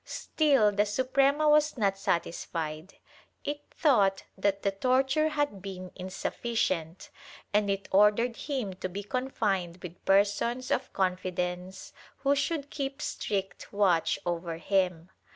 Still the Suprema was not satisfied; it thought that the torture had been insuffi cient and it ordered him to be confined with persons of confi dence, who should keep strict watch over him.